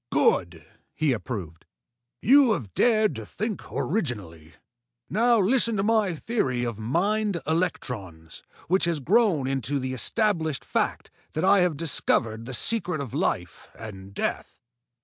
"Good!" he approved. "You have dared to think originally. Now listen to my theory of mind electrons which has grown into the established fact that I have discovered the secret of life and death."